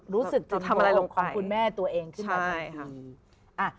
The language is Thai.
รู้สึกจะโม้คุณแม่ตัวเองขึ้นมา